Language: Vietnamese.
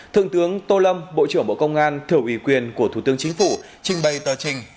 thượng tướng tô lâm bộ trưởng bộ công an thừa ủy quyền của thủ tướng chính phủ trình bày tờ trình